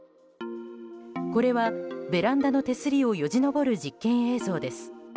これは、ベランダの手すりをよじ登る実験映像です。